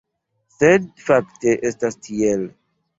Sed fakte estas tiel.